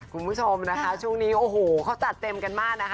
คุณผู้ชมนะคะช่วงนี้โอ้โหเขาจัดเต็มกันมากนะคะ